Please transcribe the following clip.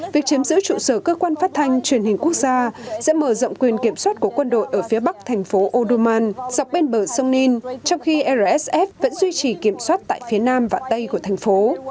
việc chiếm giữ trụ sở cơ quan phát thanh truyền hình quốc gia sẽ mở rộng quyền kiểm soát của quân đội ở phía bắc thành phố uduman dọc bên bờ sông nin trong khi rsf vẫn duy trì kiểm soát tại phía nam và tây của thành phố